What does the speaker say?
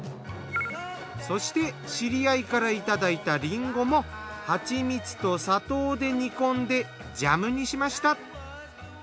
そして知り合いからいただいたリンゴもはちみつと砂糖で煮込んでジャムにしました。